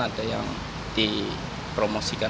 ada yang dipromosikan